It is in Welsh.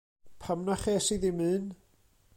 Pam na ches i ddim un?